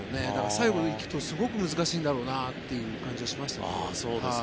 最後まで行くとすごく難しいんだろうなという感じがしました。